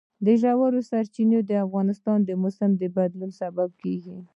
ژورې سرچینې د افغانستان د موسم د بدلون سبب کېږي.